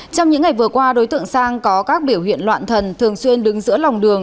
trong những ngày vừa qua đối tượng sang có các biểu hiện loạn thần thường xuyên đứng giữa lòng đường